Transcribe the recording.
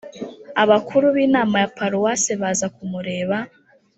abakuru b'inama ya paruwasi baza kumureba,